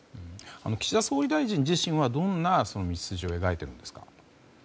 岸田総理大臣自身はどんな道筋を描いているんですか。